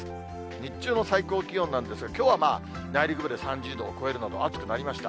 日中の最高気温なんですが、きょうは内陸部で３０度を超えるほど暑くなりました。